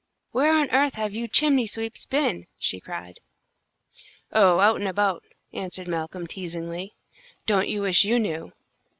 "Where on earth have you chimney sweeps been?" she cried. "Oh, about and about," answered Malcolm, teasingly. "Don't you wish you knew?"